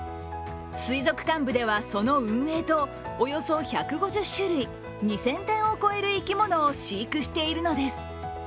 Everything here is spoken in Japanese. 水族館部ではその運営とおよそ１５０種類、２０００点を超える生き物を飼育しているのです。